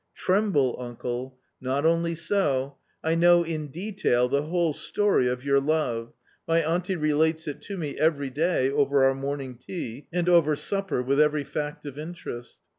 Tremble, uncle ! Not only so. I know in detail the whole story of your love ; my auntie relates it to me every day over our morning tea, and over supper, with every fact of interest.